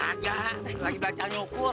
nggak lagi belajar nyokur